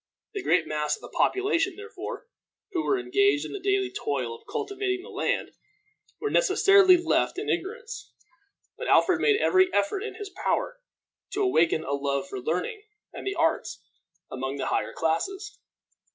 The great mass of the population, therefore, who were engaged in the daily toil of cultivating the land, were necessarily left in ignorance; but Alfred made every effort in his power to awaken a love for learning and the arts among the higher classes.